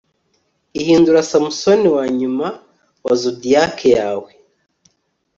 Ihindura Samusoni wanyuma wa zodiac yawe